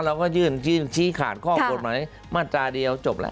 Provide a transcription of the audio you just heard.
เราก็ยื่นชี้ขาดข้อกฎหมายมาตราเดียวจบแหละ